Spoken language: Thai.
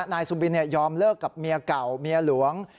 นายสุบินยอมเลิกกับเมียเก่าเมียหลวง